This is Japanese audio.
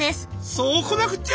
そうこなくっちゃ！